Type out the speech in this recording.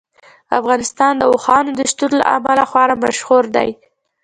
افغانستان د اوښانو د شتون له امله خورا مشهور دی.